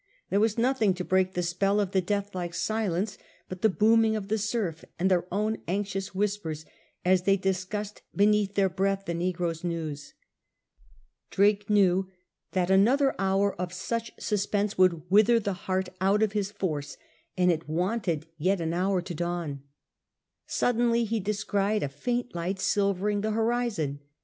There was nothing to break the spell of the deathlike silence but the booming of the surf and their own anxious whispers, as they dis cussed beneath their breath the negroes' news. Drake knew that another hour of such suspense would wither the heart out of his force, and it wapted yet an hour to dawn. Suddenly he descried a faint Ught silvering the horizon.